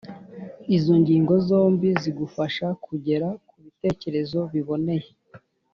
Izo ngingo zombi zigufasha kugera ku bitekerezo biboneye.